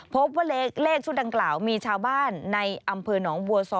พบว่าเลขชุดดังกล่าวมีชาวบ้านในอำเภอหนองบัวซอ